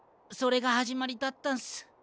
それがはじまりだったんす。